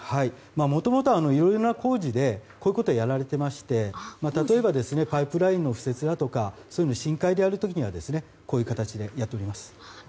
もともとはいろいろな工事でこういうことはやられていまして例えばパイプラインの敷設だとか深海でやる時はこういう形でやっております。